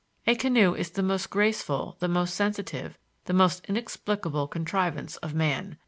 A canoe is the most graceful, the most sensitive, the most inexplicable contrivance of man.